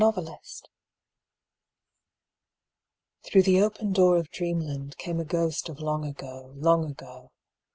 THE GHOST Through the open door of dreamland Came a ghost of long ago, long ago.